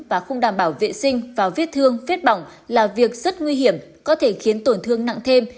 và không đảm bảo vệ sinh và viết thương viết bỏng là việc rất nguy hiểm có thể khiến tổn thương nặng thêm